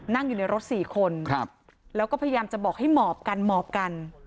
นั่งอยู่ในรถ๔คนแล้วก็พยายามจะบอกให้หมอบกันหมอบกัน